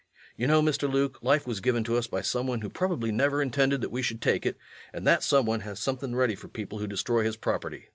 You know, Mr. Luke, life was given to us by some one who probably never intended that we should take it, and that some one has something ready for people who destroy his property.